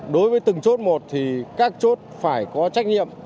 đối với từng chốt một thì các chốt phải có trách nhiệm